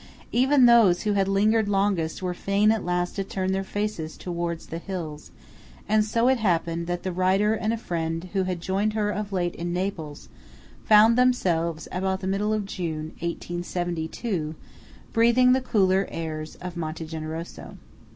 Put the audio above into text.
Even those who had lingered longest were fain at last to turn their faces towards the hills, and so it happened that the writer and a friend who had joined her of late in Naples, found themselves, about the middle of June, 1872, breathing the cooler airs of Monte Generoso.